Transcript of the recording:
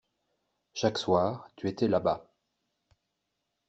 Chaque soir, tu étais là-bas.